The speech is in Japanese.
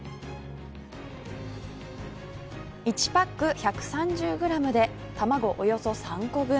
１パック１３０グラムで卵およそ３個分。